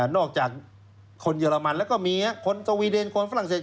นอกจากคนเยอรมันแล้วก็มีคนสวีเดนคนฝรั่งเศส